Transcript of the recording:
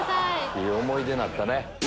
いい思い出になったね。